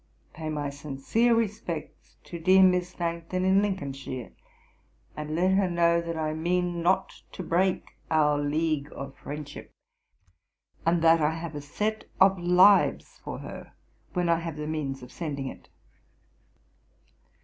Pay my sincere respects to dear Miss Langton in Lincolnshire, let her know that I mean not to break our league of friendship, and that I have a set of Lives for her, when I have the means of sending it.'